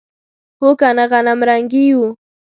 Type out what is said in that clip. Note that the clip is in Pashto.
هو کنه غنمرنګي یو.